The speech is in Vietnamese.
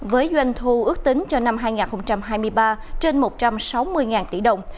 với doanh thu ước tính cho năm hai nghìn hai mươi ba trên một trăm sáu mươi tỷ đồng